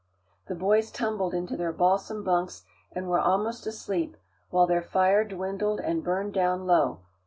The boys tumbled into their balsam bunks and were almost asleep, while their fire dwindled and burned down low.